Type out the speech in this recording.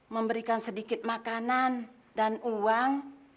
memberikan sedikit makanan dan uang